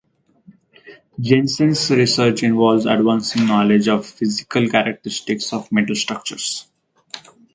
Jensen's research involves advancing knowledge of the physical characteristics of metal structures.